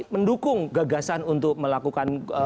mendukung gagasan untuk melakukan